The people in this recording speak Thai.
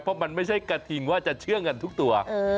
เพราะมันไม่ใช่กระทิงว่าจะเชื่อเงินทุกตัว